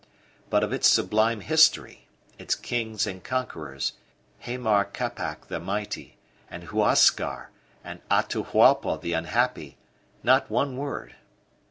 But of its sublime history, its kings and conquerors, Haymar Capac the Mighty, and Huascar, and Atahualpa the Unhappy, not one word.